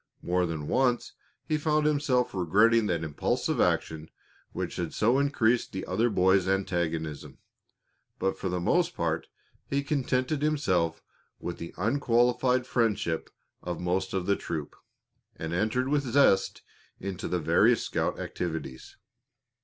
More than once he found himself regretting that impulsive action which had so increased the other boy's antagonism, but for the most part he contented himself with the unqualified friendship of most of the troop, and entered with zest into the various scout activities.